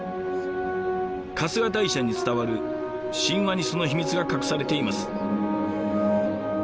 春日大社に伝わる神話にその秘密が隠されています。